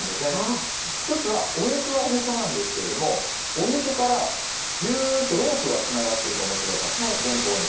１つはおへそはおへそなんですけれどもおへそからびゅっとロープがつながってると思ってください前方に。